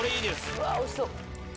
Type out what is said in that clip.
うわっ、おいしそう。